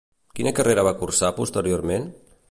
Quina carrera va cursar posteriorment?